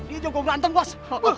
dia jokok ganteng bos